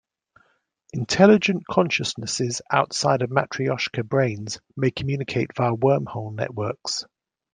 Intelligent consciousnesses outside of Matrioshka brains may communicate via wormhole networks.